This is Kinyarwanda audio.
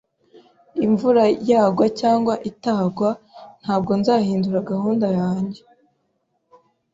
Imvura yagwa cyangwa itagwa, ntabwo nzahindura gahunda yanjye.